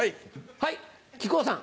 はい木久扇さん。